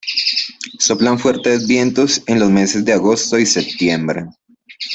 Soplan fuertes vientos en los meses de agosto y septiembre.